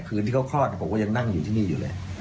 คืนที่เขาคลอดผมก็ยังนั่งอยู่ที่นี่อยู่เลย